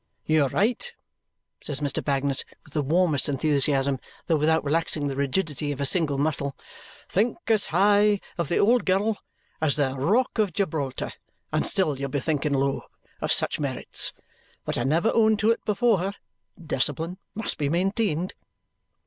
"You are right!" says Mr. Bagnet with the warmest enthusiasm, though without relaxing the rigidity of a single muscle. "Think as high of the old girl as the rock of Gibraltar and still you'll be thinking low of such merits. But I never own to it before her. Discipline must be maintained."